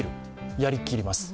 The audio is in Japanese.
やりきります。